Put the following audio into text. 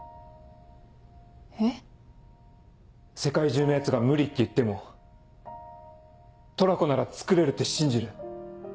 えっ⁉世界中のヤツが「無理」って言ってもトラコならつくれるって信じる。